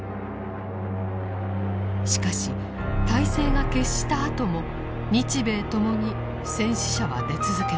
しかし大勢が決したあとも日米ともに戦死者は出続けました。